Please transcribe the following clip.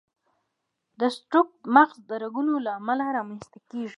د سټروک د مغز رګونو له امله رامنځته کېږي.